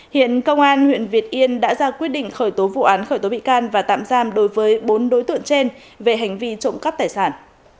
hiện công an huyện việt yên đã ra quyết định khởi tố vụ án khởi tố bị can và tạm giam đối với bốn đối tượng trên về hành vi trộm cắp tài sản